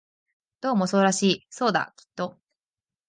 どうもそうらしい、そうだ、きっと